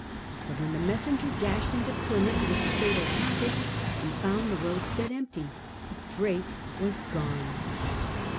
But when the messenger dashed into Plymouth with the fatal packet he found the roadstead empty. Drake was gone.